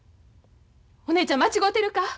お姉ちゃん間違うてるか？